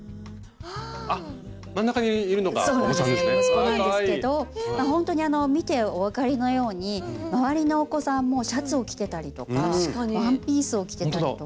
息子なんですけどほんとに見てお分かりのように周りのお子さんもシャツを着てたりとかワンピースを着てたりとか。